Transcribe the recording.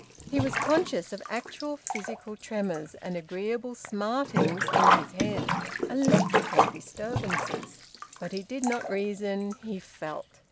He was conscious of actual physical tremors and agreeable smartings in his head; electric disturbances. But he did not reason; he felt.